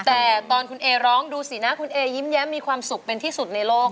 แต่ตอนคุณเอร้องดูสีหน้าคุณเอยิ้มแย้มมีความสุขเป็นที่สุดในโลก